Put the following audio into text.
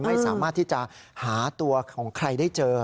ไม่สามารถที่จะหาตัวของใครได้เจอ